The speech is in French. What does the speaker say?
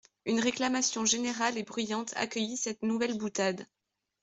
Une réclamation générale et bruyante accueillit cette nouvelle boutade.